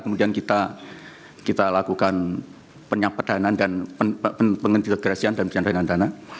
kemudian kita lakukan penyampaian dan pengendalian dana